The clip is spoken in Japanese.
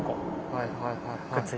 はいはいはいはい。